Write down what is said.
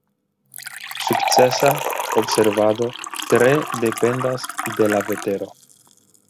Sukcesa observado tre dependas de la vetero.